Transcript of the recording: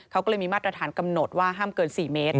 เขาก็เลยมีมาตรฐานกำหนดว่าห้ามเกิน๔เมตร